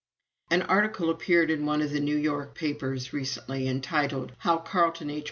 An article appeared in one of the New York papers recently, entitled "How Carleton H.